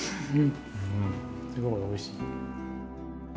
すごいおいしい。